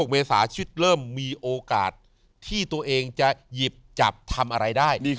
เมษาชีวิตเริ่มมีโอกาสที่ตัวเองจะหยิบจับทำอะไรได้